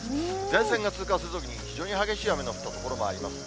前線が通過するときに非常に激しい雨が降った所もあります。